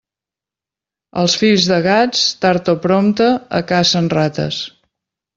Els fills de gats, tard o prompte, acacen rates.